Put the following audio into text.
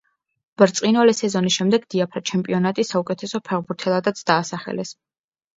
ბრწყინვალე სეზონის შემდეგ დიაფრა ჩემპიონატის საუკეთესო ფეხბურთელადაც დაასახელეს.